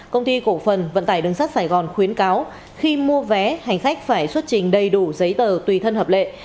công ty cổ phần vận tải đường sắt sài gòn khuyến cáo khi mua vé hành khách phải xuất trình đầy đủ giấy tờ tùy thân hợp lệ